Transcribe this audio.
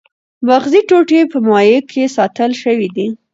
مغزي ټوټې په مایع کې ساتل شوې دي.